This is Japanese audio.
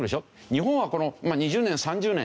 日本はこの２０３０年